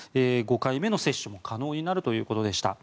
５回目の接種も可能になるということでした。